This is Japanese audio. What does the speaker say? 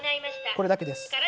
これだけです。